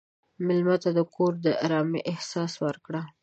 مېلمه ته د کور د ارامۍ احساس ورکړه.